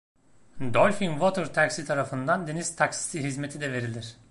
Dolphin Water Taxi tarafından deniz taksisi hizmeti de verilir.